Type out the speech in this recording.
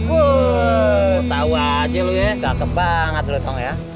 wooo tau aja lu ya cakep banget lu tong ya